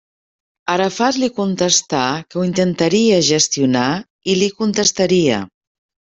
Arafat li contestà que ho intentaria gestionar i li contestaria.